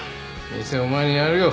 店お前にやるよ。